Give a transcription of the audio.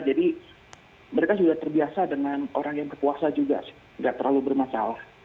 jadi mereka sudah terbiasa dengan orang yang berpuasa juga sih gak terlalu bermasalah